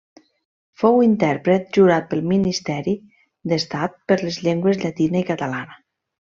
Fou intèrpret jurat pel ministeri d'Estat per les llengües llatina i catalana.